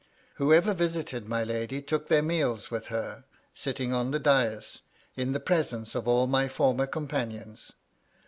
Whoever visited my lady took their meals with her, sitting on the dais, in the presence of all my former companions.